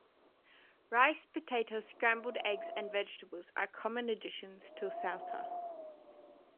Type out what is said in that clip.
Rice, potatoes, scrambled eggs, and vegetables are common additions to saltah.